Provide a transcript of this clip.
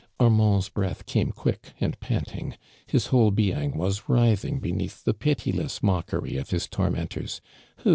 Armand's breath came (|uick and panting. His whole being was writliing beneath the pitiless mockery of his tormentors, wjio.